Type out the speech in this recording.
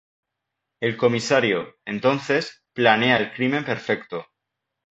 El comisario, entonces, planea el crimen perfecto.